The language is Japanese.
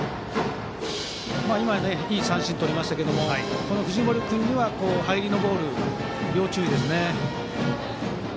今、いい三振をとりましたけれどもこの藤森君への入りのボール要注意です。